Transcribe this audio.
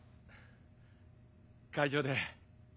会場で。